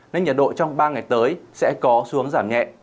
nên nhiệt độ trong ba ngày tới sẽ có xuống giảm nhẹ